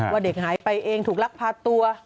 ว่าเด็กหายไปเองถูกลักพาตัว